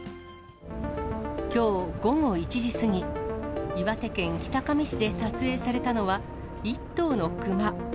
きょう午後１時過ぎ、岩手県北上市で撮影されたのは１頭の熊。